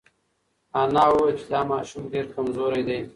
انا وویل چې دا ماشوم ډېر کمزوری دی.